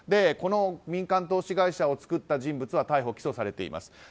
この民間投資会社を作った人物は逮捕・起訴されています。